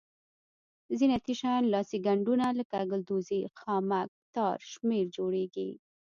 زینتي شیان لاسي ګنډونه لکه ګلدوزي خامک تار شمېر جوړیږي.